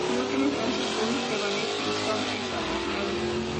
En última instancia, Fury prevalece y Stoner es asesinado.